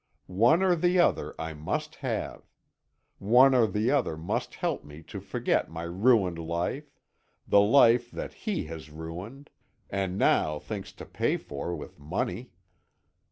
One or the other I must have. One or the other must help me to forget my ruined life the life that he has ruined, and now thinks to pay for with money."